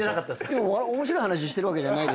今面白い話してるわけじゃないですよ。